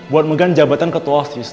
buat megan jabatan ketua osis